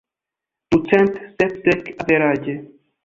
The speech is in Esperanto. Ducent sepdek, averaĝe.